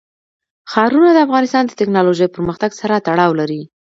ښارونه د افغانستان د تکنالوژۍ پرمختګ سره تړاو لري.